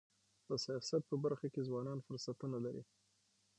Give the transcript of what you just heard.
د سیاست په برخه کي ځوانان فرصتونه لري.